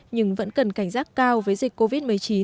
nhưng vẫn cần cảnh giác cao với dịch covid một mươi chín